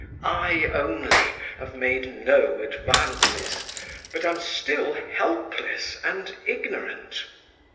I only have made no advances, but am still helpless and ignorant.